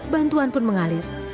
bantuan pun mengalir